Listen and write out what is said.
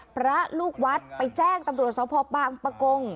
พระลูกวัดไปแจ้งตำรวจสพบางปะกง